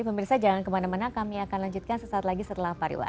pemirsa jangan kemana mana kami akan lanjutkan sesaat lagi setelah pariwa